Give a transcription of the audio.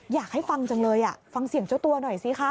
อยากให้ฟังจังเลยฟังเสียงเจ้าตัวหน่อยสิคะ